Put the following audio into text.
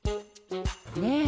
ねえ。